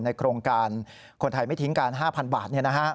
โครงการคนไทยไม่ทิ้งกัน๕๐๐บาท